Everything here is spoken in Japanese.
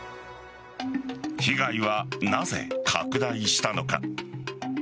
被害はなぜ拡大したのか。